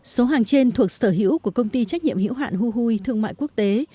số hàng trên thuộc sở hữu của công ty trách nhiệm hữu hạn huu huy thương mại quốc tế